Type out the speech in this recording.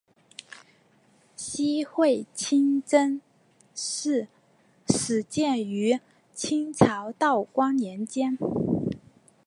西会清真寺始建于清朝道光年间。